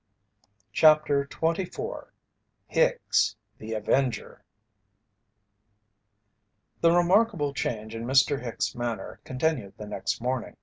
CHAPTER XXIV HICKS THE AVENGER The remarkable change in Mr. Hicks' manner continued the next morning.